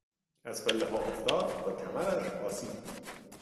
از پلهها افتاد و کمرش آسیب دید.